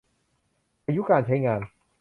อายุการใช้งาน